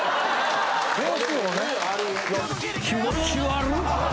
気持ち悪っ。